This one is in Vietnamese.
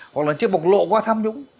hoặc là chưa bộc lộ qua tham nhũng